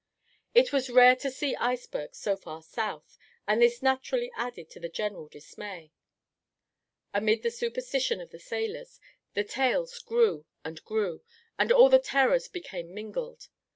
It was rare to see icebergs so far south, and this naturally added to the general dismay. Amid the superstition of the sailors, the tales grew and grew, and all the terrors became mingled.